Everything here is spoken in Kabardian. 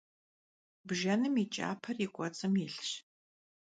Bjjenım yi ç'aper yi k'uets'ım yilhş.